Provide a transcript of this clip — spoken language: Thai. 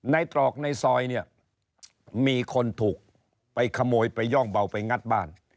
ตรอกในซอยเนี่ยมีคนถูกไปขโมยไปย่องเบาไปงัดบ้าน